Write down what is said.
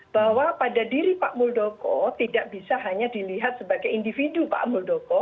bahwa pada diri pak muldoko tidak bisa hanya dilihat sebagai individu pak muldoko